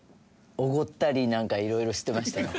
おごったりなんか色々してましたよ。